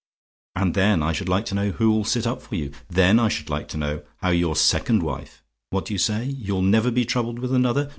And then I should like to know who will sit up for you! Then I should like to know how your second wife what do you say? "YOU'LL NEVER BE TROUBLED WITH ANOTHER?